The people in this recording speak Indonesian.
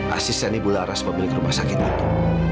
asisnya ini bularas memiliki rumah sakit itu